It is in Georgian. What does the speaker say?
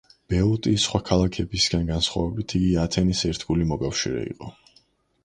ბეოტიის სხვა ქალაქებისგან განსხვავებით იგი ათენის ერთგული მოკავშირე იყო.